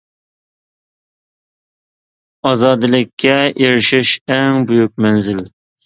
ئازادىلىككە ئېرىشىش — ئەڭ بۈيۈك مەنزىل.